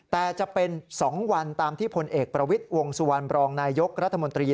แต่จะเป็น๒วันตามที่พลเอกประวิทย์วงสุวรรณบรองนายยกรัฐมนตรี